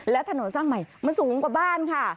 และถนนสร้างใหม่มันสูงกว่าบ้านค่ะ